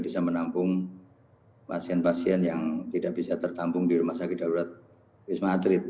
bisa menampung pasien pasien yang tidak bisa tertampung di rumah sakit darurat wisma atlet